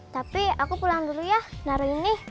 tapi aku pulang dulu ya naruh ini